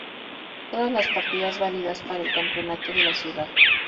Todas las partidas válidas para el Campeonato de la Ciudad.